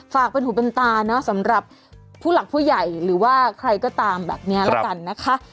เป็นหูเป็นตาเนอะสำหรับผู้หลักผู้ใหญ่หรือว่าใครก็ตามแบบนี้แล้วกันนะคะ